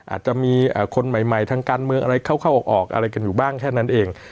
อาจจะมีคนใหม่ทางการเมืองอะไรเข้าออกอะไรกันอยู่บ้างแค่นั้นเอง